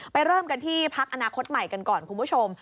เริ่มกันที่พักอนาคตใหม่กันก่อนคุณผู้ชม